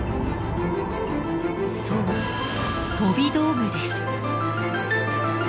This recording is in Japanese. そう飛び道具です。